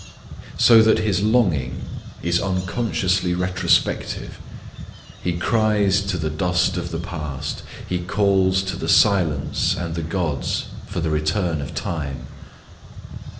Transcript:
So that his longing is unconsciously retrospec tive : he cries to the dust of the past, — he calls to the silence and the gods for the return of time.